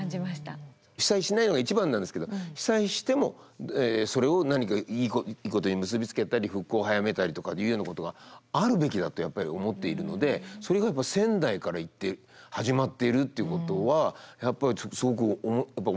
被災しないのが一番なんですけど被災してもそれを何かいいことに結び付けたり復興を早めたりということがあるべきだとやっぱり思っているのでそれが仙台から始まっているってことはやっぱりすごく面白いですね。